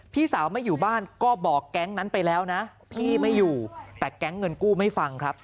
พี่สาวไม่อยู่บ้านก็บอกแก๊งนั้นไปแล้วนะพี่ไม่อยู่แต่แก๊งเงินกู้ไม่ฟังครับ